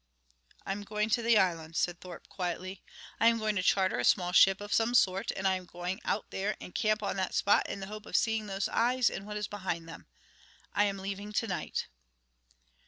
"I am going to the Islands," said Thorpe quietly. "I am going to charter a small ship of some sort, and I am going out there and camp on that spot in the hope of seeing those eyes and what is behind them. I am leaving to night."